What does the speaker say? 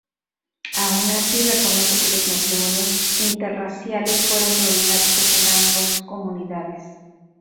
Aun así, reconoce que los matrimonios interraciales fueron problemáticos en ambos comunidades.